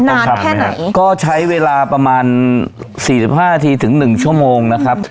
ต้องทำไหมฮะก็ใช้เวลาประมาณสี่สิบห้านาทีถึงหนึ่งชั่วโมงนะครับ